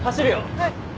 はい。